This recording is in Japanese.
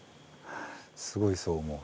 すごいそう思う。